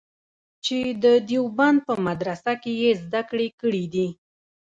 چې د دیوبند په مدرسه کې یې زده کړې کړې دي.